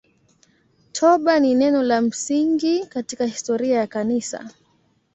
Toba ni neno la msingi katika historia ya Kanisa.